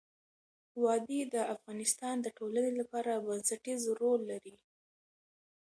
وادي د افغانستان د ټولنې لپاره بنسټيز رول لري.